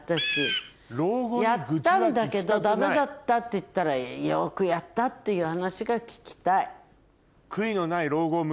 やったんだけどダメだったって言ったらよくやったっていう話が聞きたい。